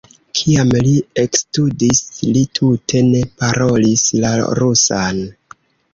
Kiam li ekstudis, li tute ne parolis la rusan.